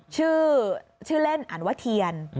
ชื่อเล่นอ่านว่าเทียน